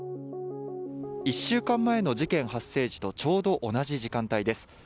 １週間前の事件発生時とちょうど同じ時間帯です。